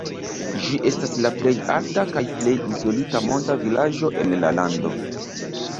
Ĝi estas la plej alta kaj plej izolita monta vilaĝo en la lando.